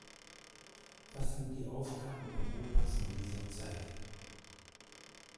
Was sind die Aufgaben Europas in dieser Zeit?